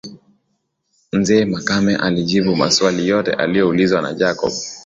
Mzee Makame alijibu maswali yote alioulizwa na Jacob